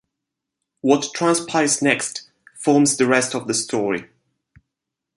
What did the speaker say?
What transpires next forms the rest of the story.